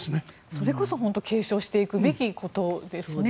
それこそ継承していくべきことですね。